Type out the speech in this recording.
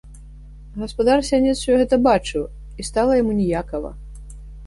Гаспадар сянец усё гэта бачыў, і стала яму ніякава.